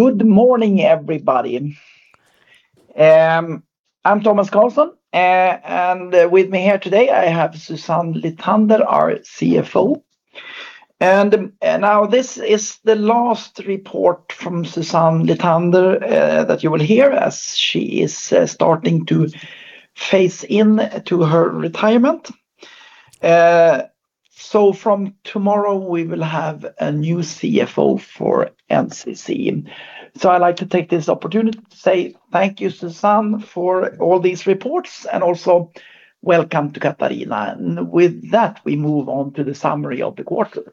Good morning, everybody. I'm Tomas Carlsson, and with me here today, I have Susanne Lithander, our Chief Financial Officer. This is the last report from Susanne Lithander that you will hear as she is starting to phase in to her retirement. From tomorrow, we will have a new Chief Financial Officer for NCC. I'd like to take this opportunity to say thank you, Susanne, for all these reports, and also welcome to Katarina. With that, we move on to the summary of the quarter.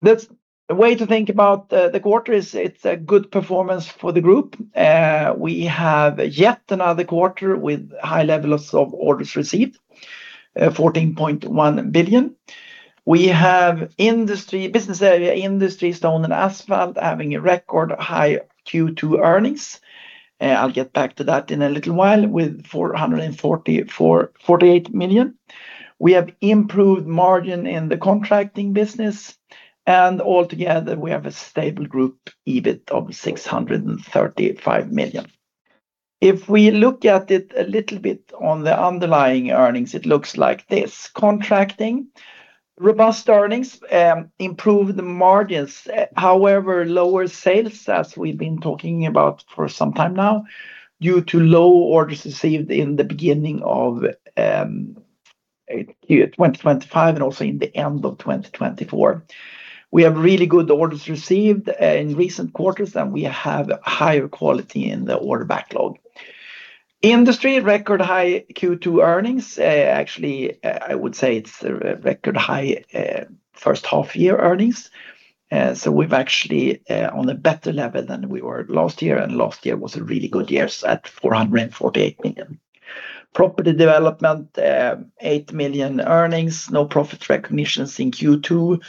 The way to think about the quarter is it's a good performance for the group. We have yet another quarter with high levels of orders received, 14.1 billion. We have business area Industry, Stone and Asphalt having record high Q2 earnings. I'll get back to that in a little while with 448 million. We have improved margin in the contracting business, and altogether we have a stable group EBIT of 635 million. If we look at it a little bit on the underlying earnings, it looks like this. Contracting, robust earnings, improved margins. However, lower sales as we've been talking about for some time now due to low orders received in the beginning of Q1 2025 and also in the end of 2024. We have really good orders received in recent quarters, and we have higher quality in the order backlog. Industry record high Q2 earnings. Actually, I would say it's a record high first half year earnings. We're actually on a better level than we were last year, and last year was a really good year at 448 million. Property Development, 8 million earnings, no profit recognitions in Q2,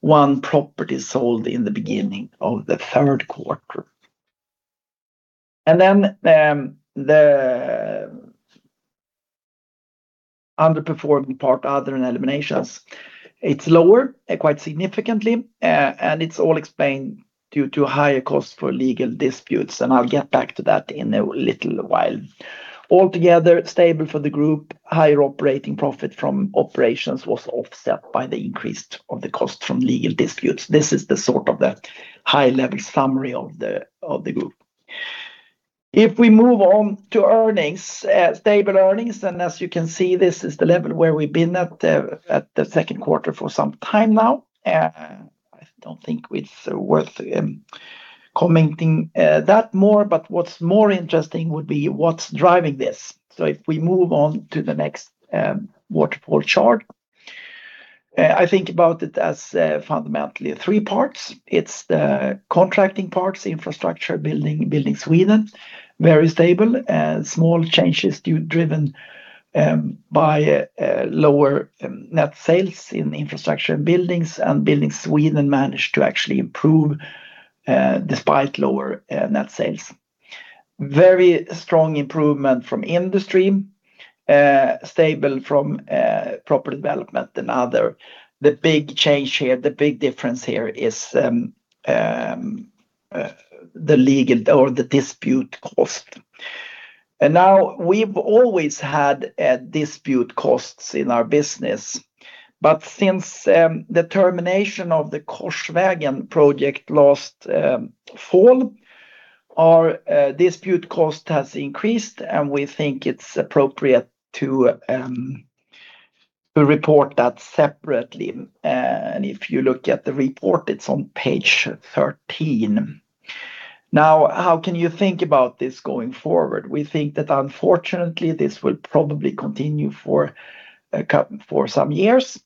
one property sold in the beginning of the third quarter. The underperforming part, other and eliminations. It's lower, quite significantly. It's all explained due to higher costs for legal disputes, and I'll get back to that in a little while. Altogether, stable for the group. Higher operating profit from operations was offset by the increase of the cost from legal disputes. This is the high-level summary of the group. If we move on to earnings, stable earnings. As you can see, this is the level where we've been at the second quarter for some time now. I don't think it's worth commenting that more, but what's more interesting would be what's driving this. If we move on to the next waterfall chart. I think about it as fundamentally three parts. It's the contracting parts, Infrastructure, Building Sweden. Very stable. Small changes driven by lower net sales in Infrastructure and Buildings, and Building Sweden managed to actually improve despite lower net sales. Very strong improvement from Industry. Stable from Property Development and other. The big change here, the big difference here is the legal or the dispute cost. Now we've always had dispute costs in our business. Since the termination of the Korsvägen project last fall, our dispute cost has increased, and we think it's appropriate to report that separately. If you look at the report, it's on page 13. How can you think about this going forward? We think that unfortunately this will probably continue for some years.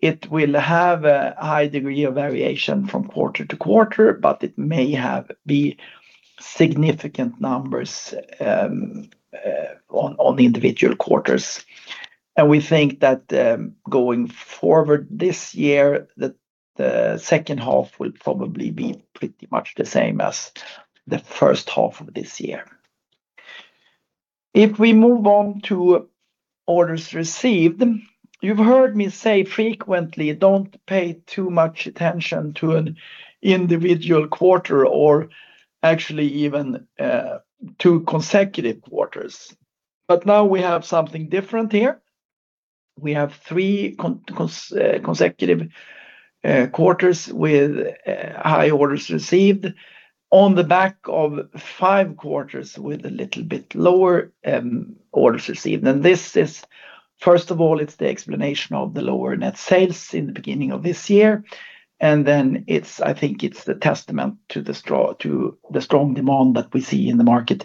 It will have a high degree of variation from quarter to quarter, but it may have significant numbers on individual quarters. We think that going forward this year, the second half will probably be pretty much the same as the first half of this year. We move on to orders received. You've heard me say frequently, don't pay too much attention to an individual quarter or actually even two consecutive quarters. Now we have something different here. We have three consecutive quarters with high orders received on the back of five quarters with a little bit lower orders received. First of all, it's the explanation of the lower net sales in the beginning of this year. Then I think it's the testament to the strong demand that we see in the market.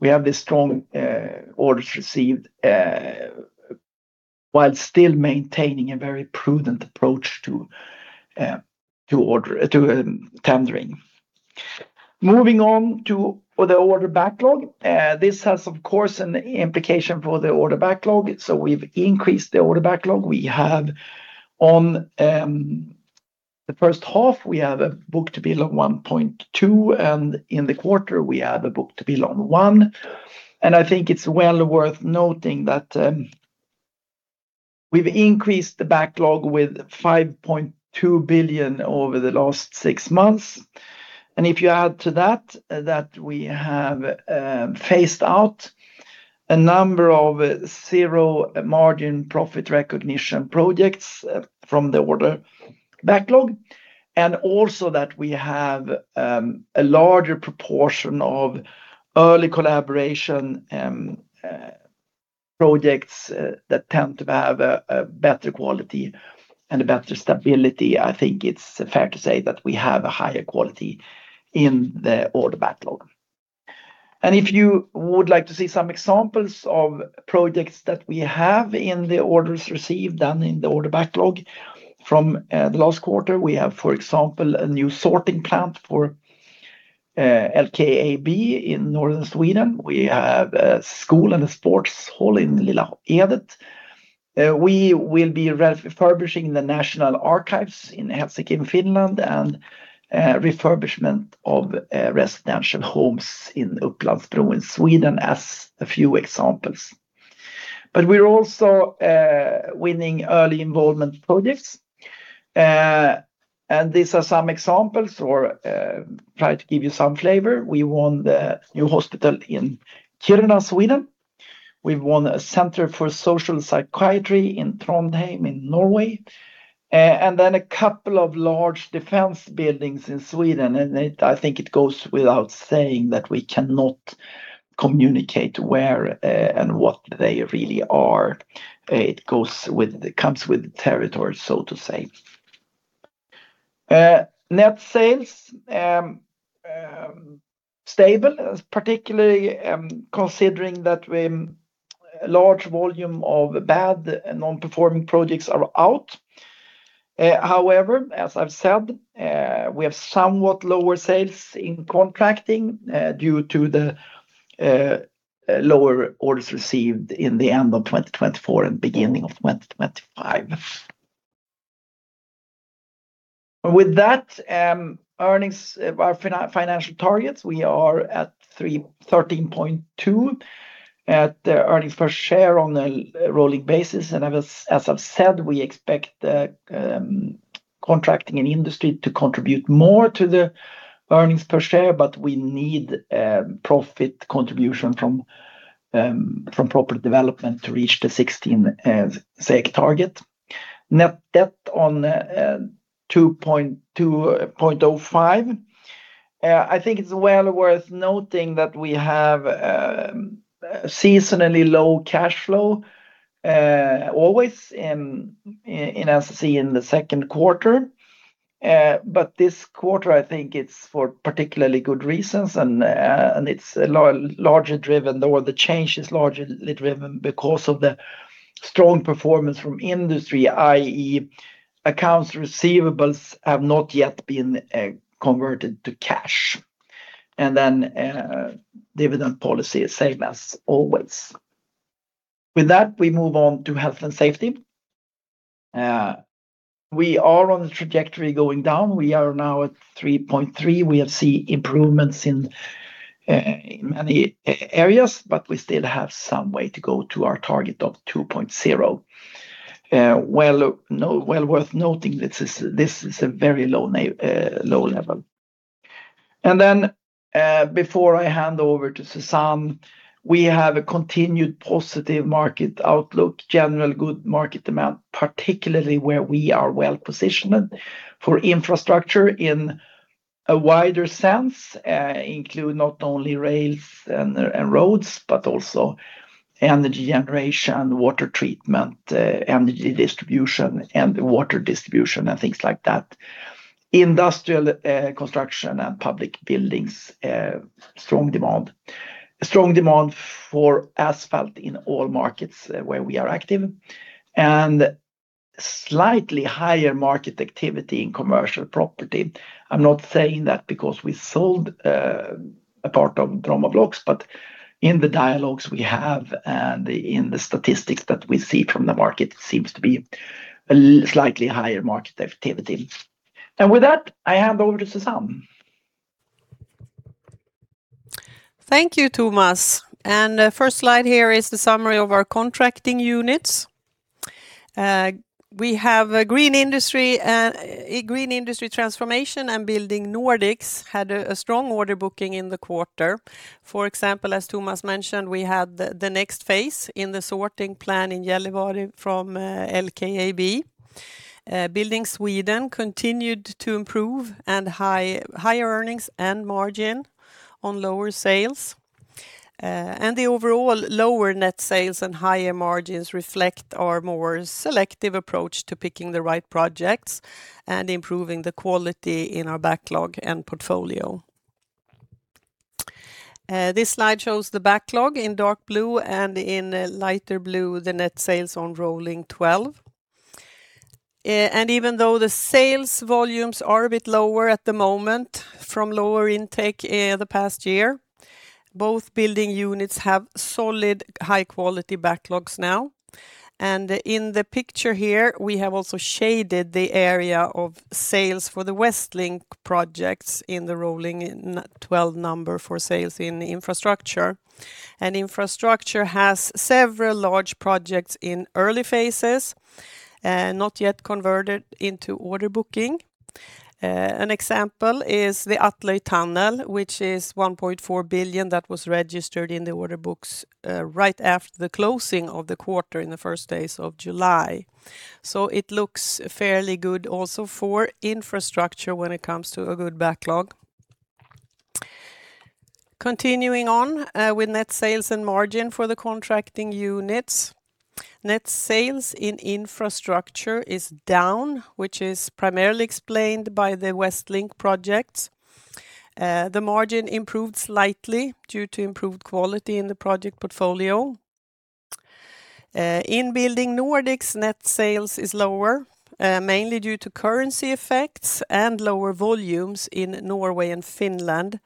We have these strong orders received while still maintaining a very prudent approach to tendering. Moving on to the order backlog. This has, of course, an implication for the order backlog. We've increased the order backlog. On the first half, we have a book-to-bill of 1.2, and in the quarter, we have a book-to-bill of one. I think it's well worth noting that We've increased the backlog with 5.2 billion over the last six months. If you add to that we have phased out a number of zero-margin profit recognition projects from the order backlog, and also that we have a larger proportion of early collaboration projects that tend to have a better quality and a better stability. I think it's fair to say that we have a higher quality in the order backlog. If you would like to see some examples of projects that we have in the orders received and in the order backlog from the last quarter. We have, for example, a new sorting plant for LKAB in northern Sweden. We have a school and a sports hall in Lilla Edet. We will be refurbishing the National Archives in Helsinki, in Finland, and refurbishment of residential homes in Upplands-Bro, in Sweden, as a few examples. We are also winning early involvement projects. These are some examples or try to give you some flavor. We won the new hospital in Kiruna, Sweden. We've won a center for social psychiatry in Trondheim in Norway, a couple of large defense buildings in Sweden. I think it goes without saying that we cannot communicate where and what they really are. It comes with the territory, so to say. Net sales, stable, particularly considering that a large volume of bad non-performing projects are out. As I've said, we have somewhat lower sales in contracting due to the lower orders received in the end of 2024 and beginning of 2025. With that, our financial targets, we are at 13.2 at the earnings per share on a rolling basis. As I've said, we expect the contracting and Industry to contribute more to the earnings per share, we need profit contribution from Property Development to reach the 16 target. Net debt on 2.05x. I think it's well worth noting that we have seasonally low cash flow, always in NCC in the second quarter. This quarter, I think it's for particularly good reasons, and the change is largely driven because of the strong performance from Industry, i.e., accounts receivables have not yet been converted to cash. Dividend policy is same as always. With that, we move on to health and safety. We are on the trajectory going down. We are now at 3.3x. We have seen improvements in many areas, but we still have some way to go to our target of 2.0x. Well worth noting, this is a very low level. Then, before I hand over to Susanne, we have a continued positive market outlook. General good market demand, particularly where we are well-positioned. For Infrastructure in a wider sense, include not only rails and roads, but also energy generation, water treatment, energy distribution and water distribution and things like that. Industrial construction and public buildings, strong demand. Strong demand for asphalt in all markets where we are active, and slightly higher market activity in commercial property. I am not saying that because we sold a part of Bromma Blocks, but in the dialogues we have and in the statistics that we see from the market, it seems to be a slightly higher market activity. With that, I hand over to Susanne. Thank you, Tomas. First slide here is the summary of our contracting units. We have a Green Industry Transformation and Building Nordics, had a strong order booking in the quarter. For example, as Tomas mentioned, we had the next phase in the sorting plant in Gällivare from LKAB. Building Sweden continued to improve and higher earnings and margin on lower sales. The overall lower net sales and higher margins reflect our more selective approach to picking the right projects and improving the quality in our backlog and portfolio. This slide shows the backlog in dark blue and in lighter blue, the net sales on rolling 12. Even though the sales volumes are a bit lower at the moment from lower intake the past year, both building units have solid high-quality backlogs now. In the picture here, we have also shaded the area of sales for the West Link projects in the rolling 12 number for sales in Infrastructure. Infrastructure has several large projects in early phases, not yet converted into order booking. An example is the Atløy tunnel, which is 1.4 billion that was registered in the order books right after the closing of the quarter in the first days of July. So it looks fairly good also for Infrastructure when it comes to a good backlog. Continuing on with net sales and margin for the contracting units. Net sales in Infrastructure is down, which is primarily explained by the West Link projects. The margin improved slightly due to improved quality in the project portfolio. In Building Nordics, net sales is lower, mainly due to currency effects and lower volumes in Norway and Finland.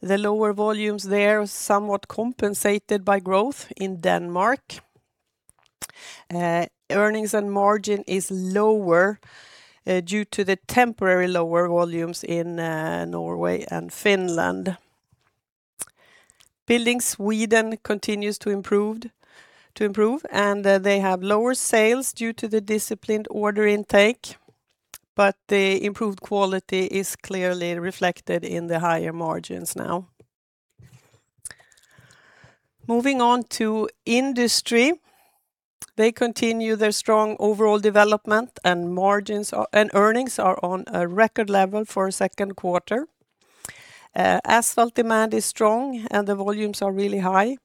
The lower volumes there are somewhat compensated by growth in Denmark. Earnings and margin is lower due to the temporary lower volumes in Norway and Finland. NCC Building Sweden continues to improve, they have lower sales due to the disciplined order intake, but the improved quality is clearly reflected in the higher margins now. Moving on to NCC Industry. They continue their strong overall development, earnings are on a record level for a second quarter. Asphalt demand is strong, the volumes are really high,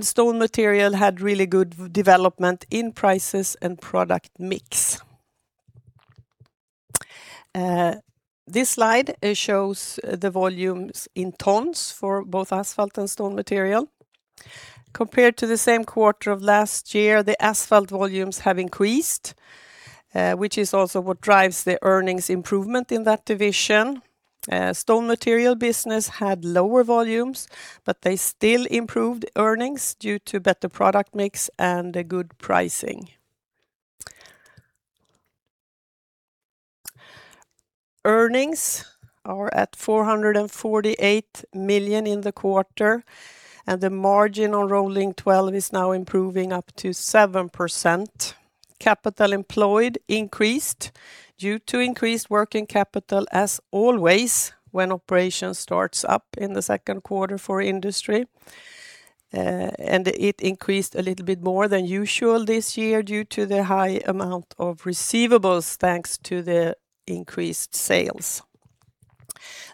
stone material had really good development in prices and product mix. This slide shows the volumes in tons for both asphalt and stone material. Compared to the same quarter of last year, the asphalt volumes have increased, which is also what drives the earnings improvement in that division. Stone material business had lower volumes, but they still improved earnings due to better product mix and a good pricing. Earnings are at 448 million in the quarter, and the margin on rolling 12 is now improving up to 7%. Capital employed increased due to increased working capital, as always, when operation starts up in the second quarter for NCC Industry. It increased a little bit more than usual this year due to the high amount of receivables, thanks to the increased sales.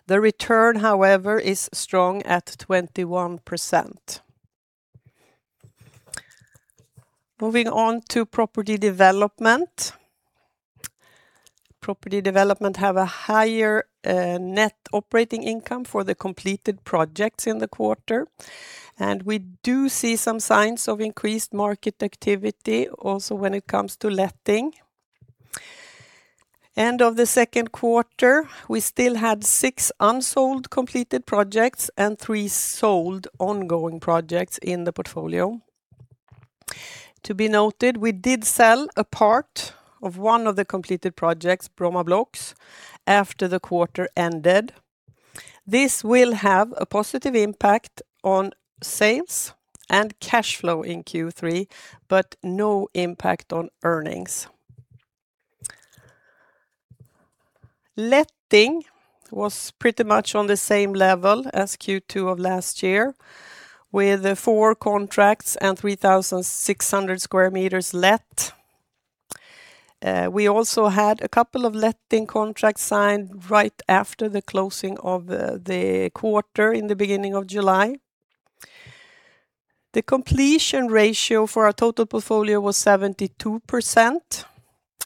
The return, however, is strong at 21%. Moving on to NCC Property Development. NCC Property Development have a higher net operating income for the completed projects in the quarter. We do see some signs of increased market activity also when it comes to letting. End of the second quarter, we still had six unsold completed projects and three sold ongoing projects in the portfolio. To be noted, we did sell a part of one of the completed projects, Bromma Blocks, after the quarter ended. This will have a positive impact on sales and cash flow in Q3, but no impact on earnings. Letting was pretty much on the same level as Q2 of last year, with four contracts and 3,600 sq m let. We also had a couple of letting contracts signed right after the closing of the quarter in the beginning of July. The completion ratio for our total portfolio was 72%,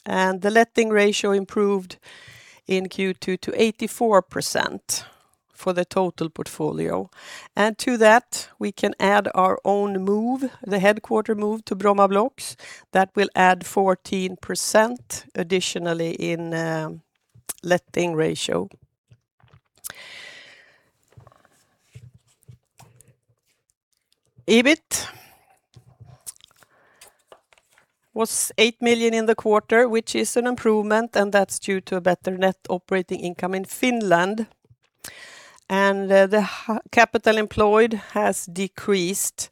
the letting ratio improved in Q2 to 84% for the total portfolio. To that, we can add our own move, the HQ move to Bromma Blocks. That will add 14% additionally in letting ratio. EBIT was 8 million in the quarter, which is an improvement, that's due to a better net operating income in Finland. The capital employed has decreased,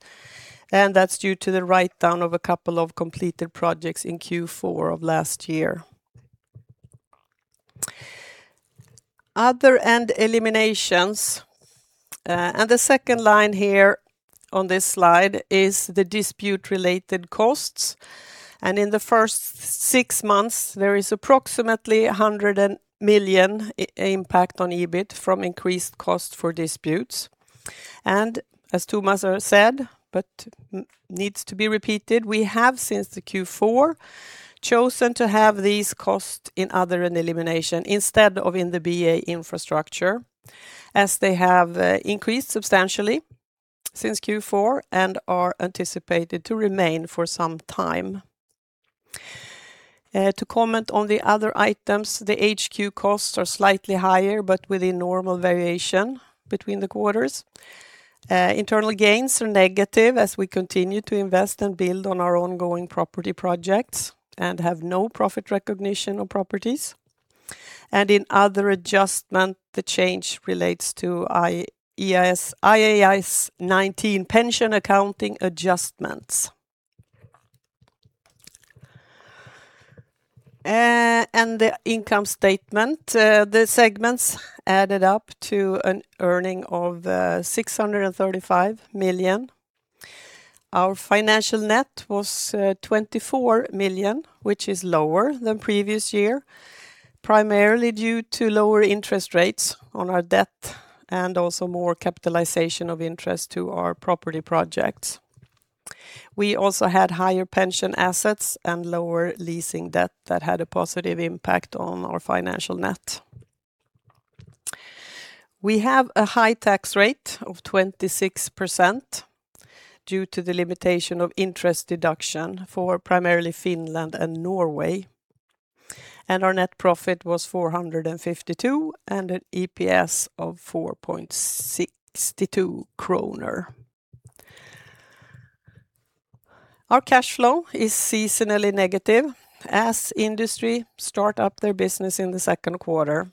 that's due to the write-down of a couple of completed projects in Q4 of last year. Other and eliminations. The second line here on this slide is the dispute-related costs. In the first six months, there is approximately 100 million impact on EBIT from increased cost for disputes. As Tomas said, but needs to be repeated, we have since the Q4, chosen to have these costs in other and elimination instead of in the BA Infrastructure, as they have increased substantially since Q4 and are anticipated to remain for some time. To comment on the other items, the HQ costs are slightly higher, but within normal variation between the quarters. Internal gains are negative as we continue to invest and build on our ongoing property projects and have no profit recognition on properties. In other adjustment, the change relates to IAS 19 pension accounting adjustments. The income statement. The segments added up to an earning of 635 million. Our financial net was 24 million, which is lower than previous year, primarily due to lower interest rates on our debt and also more capitalization of interest to our property projects. We also had higher pension assets and lower leasing debt that had a positive impact on our financial net. We have a high tax rate of 26% due to the limitation of interest deduction for primarily Finland and Norway. Our net profit was 452 million and an EPS of 4.62 kronor. Our cash flow is seasonally negative as Industry start up their business in the second quarter.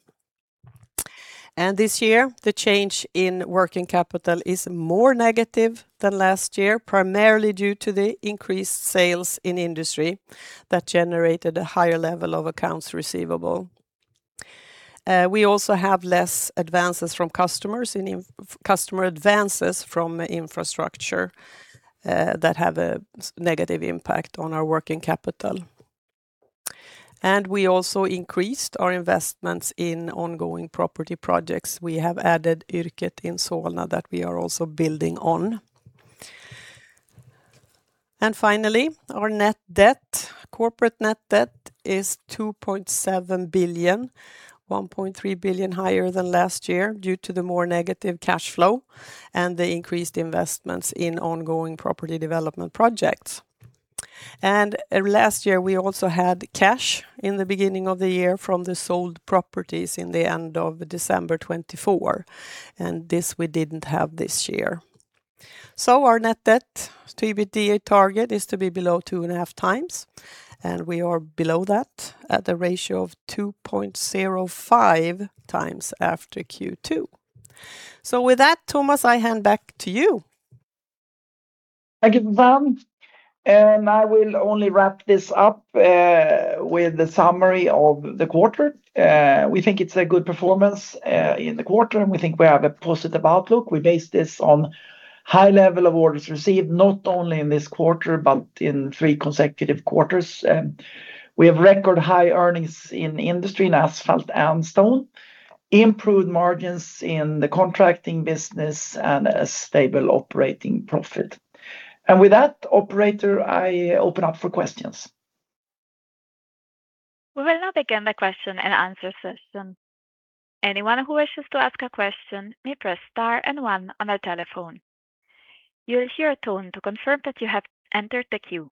This year, the change in working capital is more negative than last year, primarily due to the increased sales in Industry that generated a higher level of accounts receivable. We also have less customer advances from Infrastructure that have a negative impact on our working capital. We also increased our investments in ongoing property projects. We have added Yrket in Solna that we are also building on. Finally, our corporate net debt is 2.7 billion, 1.3 billion higher than last year due to the more negative cash flow and the increased investments in ongoing property development projects. Last year we also had cash in the beginning of the year from the sold properties in the end of December 2024. This we didn't have this year. Our net Debt-to-EBITDA target is to be below 2.5x, We are below that at the ratio of 2.05x after Q2. With that, Tomas, I hand back to you. Thank you, Susanne. I will only wrap this up with the summary of the quarter. We think it's a good performance in the quarter, We think we have a positive outlook. We base this on high level of orders received, not only in this quarter, but in three consecutive quarters. We have record high earnings in Industry, in asphalt, and stone, improved margins in the contracting business, a stable operating profit. With that, operator, I open up for questions. We will now begin the question and answer session. Anyone who wishes to ask a question may press star and one on their telephone. You will hear a tone to confirm that you have entered the queue.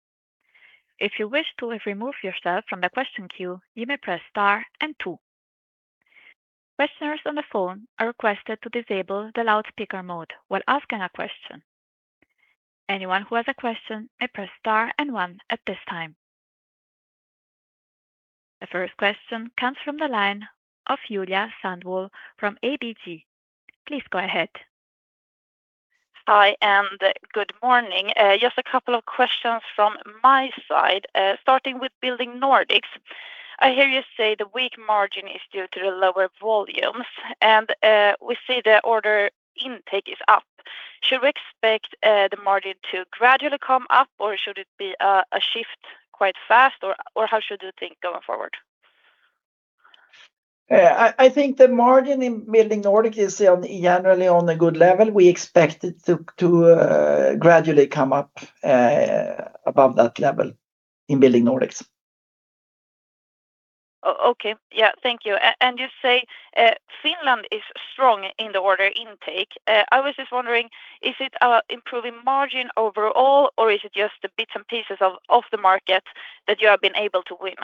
If you wish to remove yourself from the question queue, you may press star and two. Questioners on the phone are requested to disable the loudspeaker mode while asking a question. Anyone who has a question may press star and one at this time. The first question comes from the line of Julia Sundvall from ABG Sundal Collier. Please go ahead. Hi, good morning. Just a couple of questions from my side, starting with Building Nordics. I hear you say the weak margin is due to the lower volumes. We see the order intake is up. Should we expect the margin to gradually come up, or should it be a shift quite fast, or how should you think going forward? I think the margin in Building Nordics is generally on a good level. We expect it to gradually come up above that level in Building Nordics. Okay. Yeah, thank you. You say Finland is strong in the order intake. I was just wondering, is it improving margin overall, or is it just the bits and pieces of the market that you have been able to win?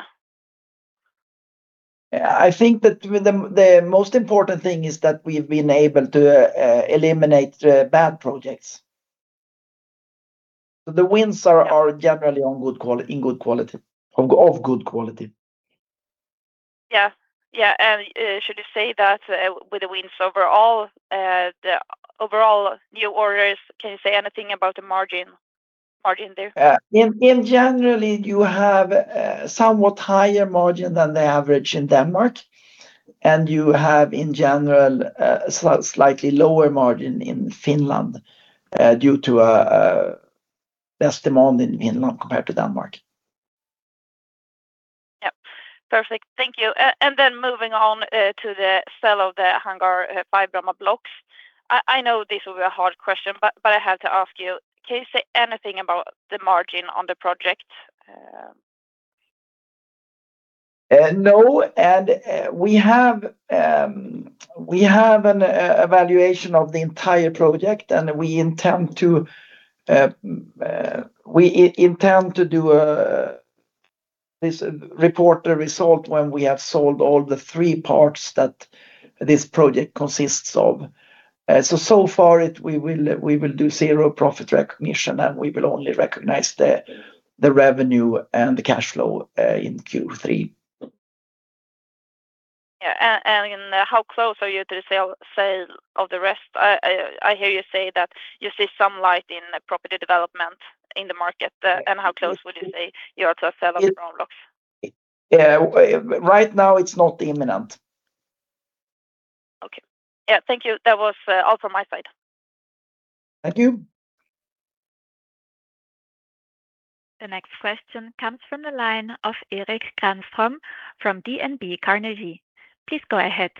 I think that the most important thing is that we've been able to eliminate bad projects. The wins are generally of good quality. Yeah. Should you say that with the wins overall, the overall new orders, can you say anything about the margin there? In generally, you have a somewhat higher margin than the average in Denmark, and you have, in general, a slightly lower margin in Finland due to less demand in Finland compared to Denmark. Yep. Perfect. Thank you. Moving on to the sale of the Hangar 5 Bromma Blocks. I know this will be a hard question, but I have to ask you, can you say anything about the margin on the project? No, we have an evaluation of the entire project, and we intend to report the result when we have sold all the three parts that this project consists of. So far, we will do zero profit recognition, and we will only recognize the revenue and the cash flow in Q3. Yeah. How close are you to the sale of the rest? I hear you say that you see some light in Property Development in the market. How close would you say you are to a sale of the Bromma Blocks? Right now, it is not imminent. Okay. Yeah. Thank you. That was all from my side. Thank you. The next question comes from the line of Erik Granström from DNB Carnegie. Please go ahead.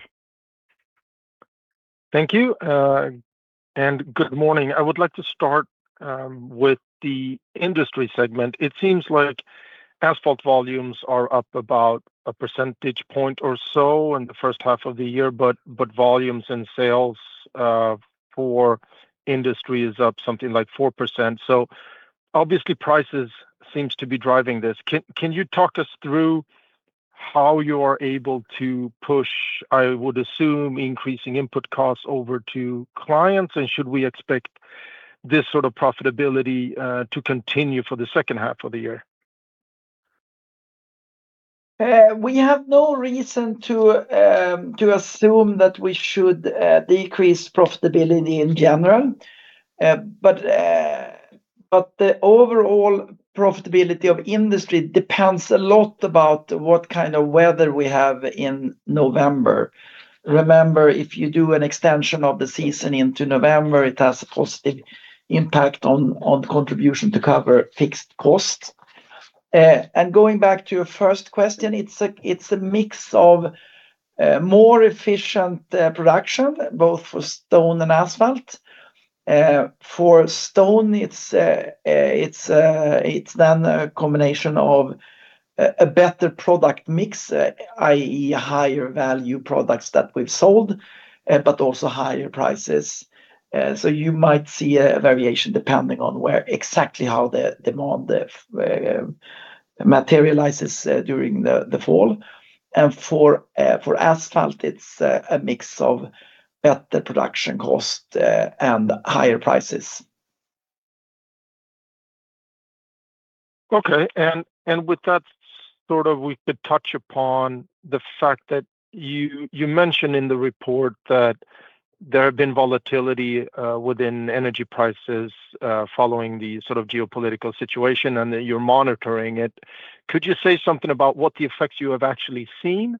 Thank you. Good morning. I would like to start with the Industry segment. It seems like asphalt volumes are up about a percentage point or so in the first half of the year, but volumes and sales for Industry is up something like 4%. Obviously prices seems to be driving this. Can you talk us through how you are able to push, I would assume, increasing input costs over to clients? Should we expect this sort of profitability to continue for the second half of the year? We have no reason to assume that we should decrease profitability in general. The overall profitability of Industry depends a lot about what kind of weather we have in November. Remember, if you do an extension of the season into November, it has a positive impact on contribution to cover fixed costs. Going back to your first question, it's a mix of more efficient production, both for stone and asphalt. For stone, it's a combination of a better product mix, i.e., higher value products that we've sold, but also higher prices. You might see a variation depending on where exactly how the demand materializes during the fall. For asphalt, it's a mix of better production cost and higher prices. Okay. With that, we could touch upon the fact that you mentioned in the report that there have been volatility within energy prices, following the geopolitical situation, and that you're monitoring it. Could you say something about what the effects you have actually seen,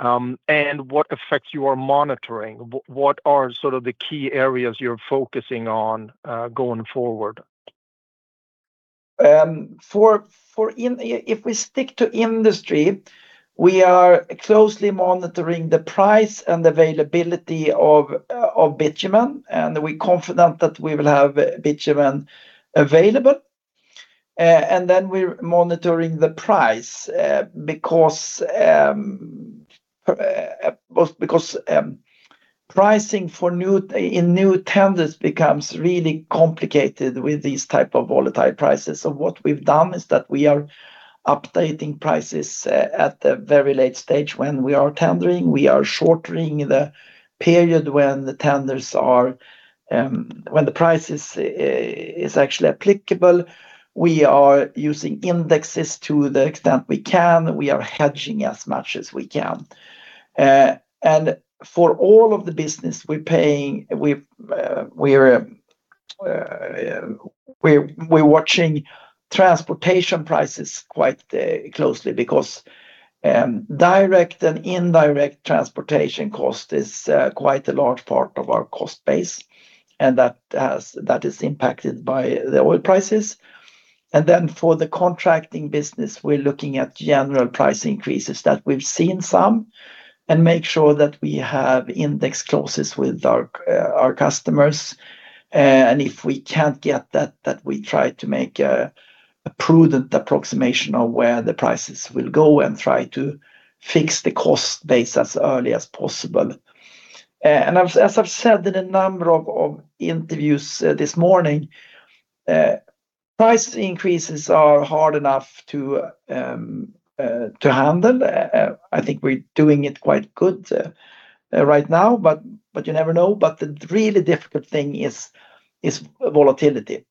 and what effects you are monitoring? What are the key areas you're focusing on going forward? If we stick to Industry, we are closely monitoring the price and availability of bitumen, and we're confident that we will have bitumen available. Then we're monitoring the price, because pricing in new tenders becomes really complicated with these type of volatile prices. What we've done is that we are updating prices at the very late stage when we are tendering. We are shortening the period when the price is actually applicable. We are using indexes to the extent we can. We are hedging as much as we can. For all of the business, we're watching transportation prices quite closely because direct and indirect transportation cost is quite a large part of our cost base, and that is impacted by the oil prices. Then for the contracting business, we're looking at general price increases that we've seen some, and make sure that we have index clauses with our customers. If we can't get that, we try to make a prudent approximation of where the prices will go and try to fix the cost base as early as possible. As I've said in a number of interviews this morning, price increases are hard enough to handle. I think we're doing it quite good right now, but you never know. The really difficult thing is volatility,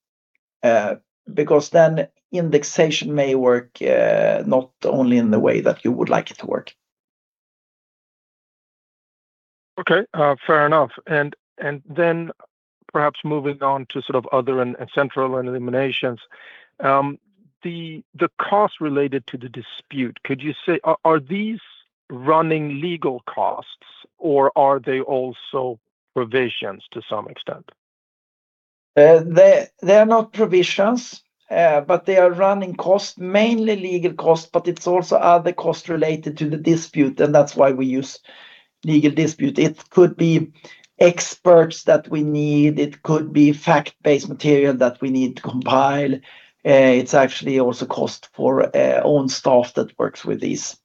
because then indexation may work, not only in the way that you would like it to work. Okay. Fair enough. Then perhaps moving on to other and central eliminations. The cost related to the dispute, could you say, are these running legal costs or are they also provisions to some extent? They are not provisions, they are running costs, mainly legal costs, it's also other costs related to the dispute, that's why we use legal dispute. It could be experts that we need. It could be fact-based material that we need to compile. It's actually also cost for own staff that works with these.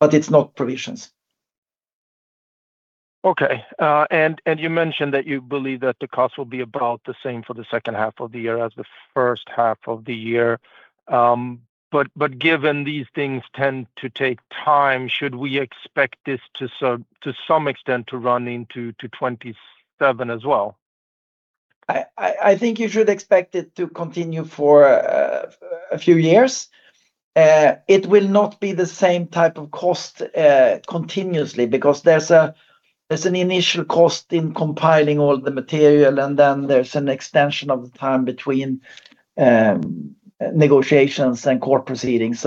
It's not provisions. Okay. You mentioned that you believe that the cost will be about the same for the second half of the year as the first half of the year. Given these things tend to take time, should we expect this to some extent to run into 2027 as well? I think you should expect it to continue for a few years. It will not be the same type of cost continuously because there's an initial cost in compiling all the material, there's an extension of the time between negotiations and court proceedings.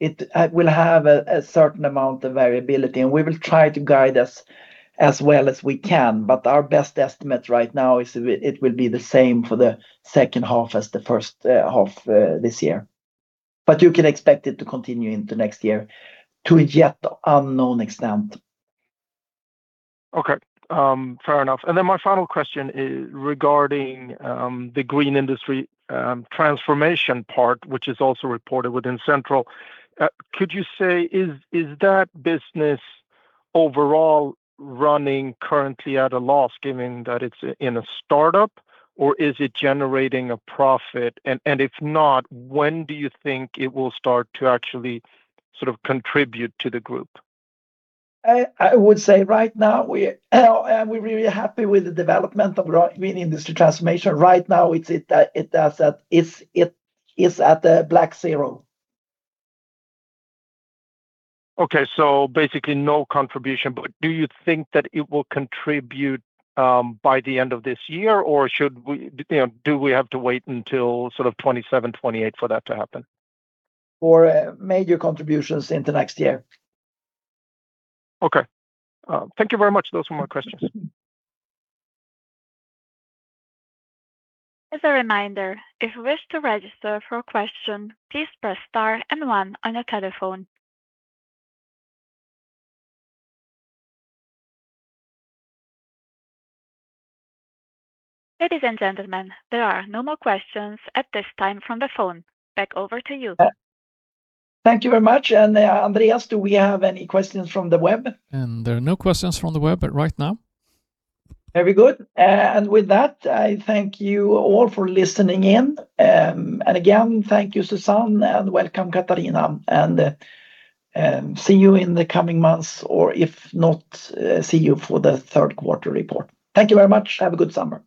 It will have a certain amount of variability, we will try to guide as well as we can. Our best estimate right now is it will be the same for the second half as the first half this year. You can expect it to continue into next year to a yet unknown extent. Okay, fair enough. Then my final question is regarding the Green Industry Transformation part, which is also reported within Central. Could you say, is that business overall running currently at a loss, given that it's in a startup, or is it generating a profit? If not, when do you think it will start to actually contribute to the group? I would say right now, we're really happy with the development of Green Industry Transformation. Right now, it is at the black zero. Okay, basically no contribution. Do you think that it will contribute by the end of this year, or do we have to wait until sort of 2027, 2028 for that to happen? For major contributions into next year. Okay. Thank you very much. Those were my questions. As a reminder, if you wish to register for a question, please press star and one on your telephone. Ladies and gentlemen, there are no more questions at this time from the phone. Back over to you. Thank you very much. Andreas, do we have any questions from the web? There are no questions from the web right now. Very good. With that, I thank you all for listening in. Again, thank you, Susanne, and welcome, Katarina. See you in the coming months, or if not, see you for the third quarter report. Thank you very much. Have a good summer